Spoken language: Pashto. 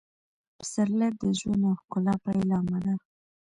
پسرلی د ژوند او ښکلا پیلامه ده.